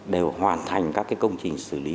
đều hoàn thành các công trình xử lý